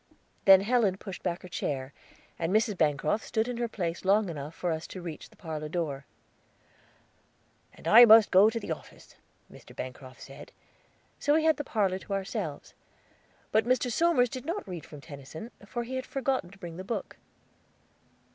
Then Helen pushed back her chair; and Mrs. Bancroft stood in her place long enough for us to reach the parlor door. "And I must go to the office," Mr. Bancroft said, so we had the parlor to ourselves; but Mr. Somers did not read from Tennyson for he had forgotten to bring the book.